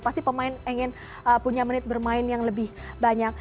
pasti pemain ingin punya menit bermain yang lebih banyak